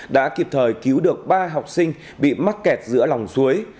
đã kịp thời cứu được ba học sinh bị mắc kẹt giữa lòng suối